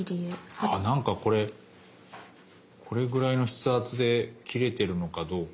あなんかこれこれぐらいの筆圧で切れてるのかどうか。